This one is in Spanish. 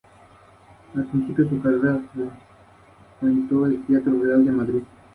Más abajo están la Tribuna de Honor y la Mesa de Secretaría.